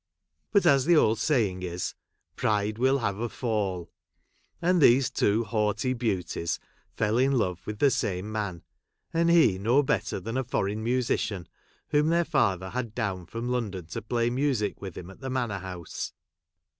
But, as the old saying is, " Pride will have a fall ;" and tliese two haughty beauties fell in love with the same man, and he no better than a foreign musi¬ cian, whom their father had down from London to play music with him at the Manor House.